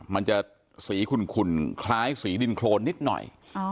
มันจะสีขุ่นคล้ายสีดินโครนนิดหน่อย